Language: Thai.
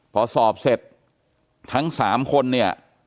พอสอบเสร็จทั้ง๓คนเนี่ย